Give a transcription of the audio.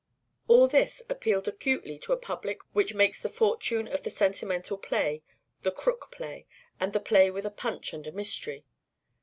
All this appealed acutely to a public which makes the fortune of the sentimental play, the "crook" play, and the "play with a punch and a mystery."